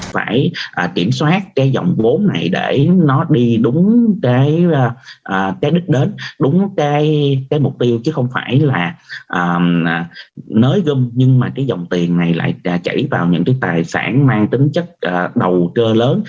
phải kiểm soát cái dòng vốn này để nó đi đúng cái đích đến đúng cái mục tiêu chứ không phải là nới gom nhưng mà cái dòng tiền này lại chảy vào những cái tài sản mang tính chất đầu cơ lớn